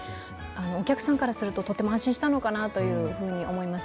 お客さんからすると、とても安心したのかなと思います。